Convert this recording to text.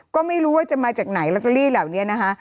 ก็ไม่รู้ว่าจะมาจากไหนลอตเตอรี่เหล่านี้นะคะ